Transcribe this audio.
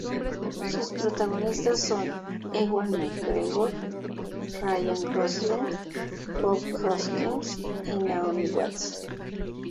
Sus protagonistas son Ewan McGregor, Ryan Gosling, Bob Hoskins y Naomi Watts.